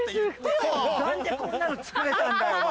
何でこんなの作れたんだよお前！